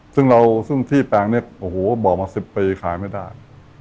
ซึ่งที่แปลงเนี่ยโอ้โหบอกมา๑๐ปีขายไม่ได้